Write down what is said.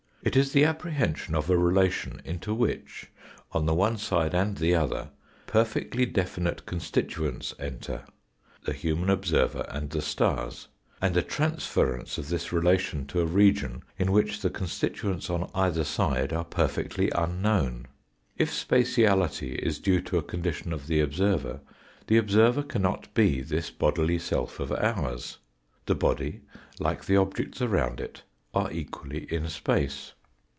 It is the apprehension of a relation into which, on the one side and the other, perfectly definite constituents enter the human observer and the stars and a trans ference of this relation to a region in which the con stituents on either side are perfectly unknown. If spatiality is due to a condition of the observer, the observer cannot be this bodily self of ours the body, like the objects around it, are equally in space.